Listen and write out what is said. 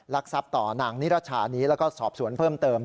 ทรัพย์ต่อนางนิรชานี้แล้วก็สอบสวนเพิ่มเติม